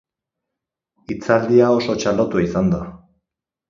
Hitzaldia oso txalotua izan da.